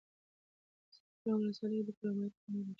سیدکرم ولسوالۍ کې د کرومایټ کان موجود ده